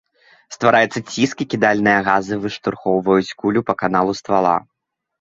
Ствараецца ціск і кідальныя газы выштурхоўваюць кулю па каналу ствала.